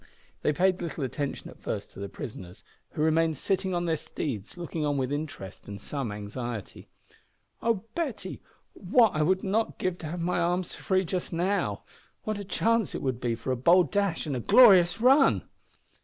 They paid little attention at first to their prisoners, who remained sitting on their steeds looking on with interest and some anxiety. "O Betty, what would I not give to have my arms free just now! What a chance it would be for a bold dash and a glorious run!"